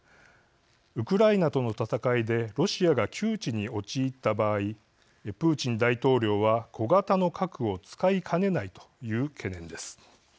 ウクライナとの戦いでロシアが窮地に陥った場合プーチン大統領は小型の核を使いかねないという懸念です。